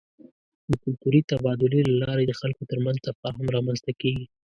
د کلتوري تبادلې له لارې د خلکو ترمنځ تفاهم رامنځته کېږي.